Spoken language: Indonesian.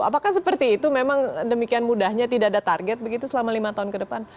apakah seperti itu memang demikian mudahnya tidak ada target begitu selama lima tahun ke depan